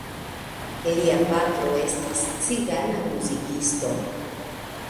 Lia patro estis cigana muzikisto.